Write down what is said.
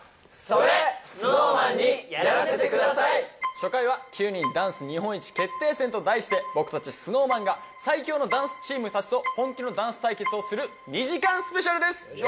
初回は９人ダンス決定戦と題して僕たちＳｎｏｗＭａｎが最強のダンスチームたちと本気のダンス対決をする２時間スペシャルです。